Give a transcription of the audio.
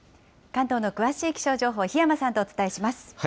関東の詳しい気象情報、檜山さんとお伝えします。